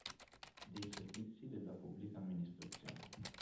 Dei servizi della Pubblica Amministrazione